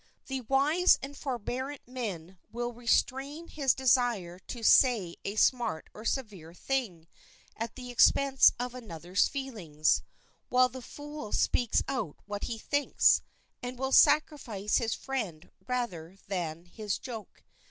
The wise and forbearant man will restrain his desire to say a smart or severe thing at the expense of another's feelings, while the fool speaks out what he thinks, and will sacrifice his friend rather than his joke.